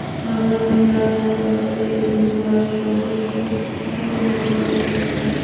আবার মেলার নামে লটারি এবং জুয়ার আসর বসলে বিভিন্ন অপরাধ বাড়তে পারে।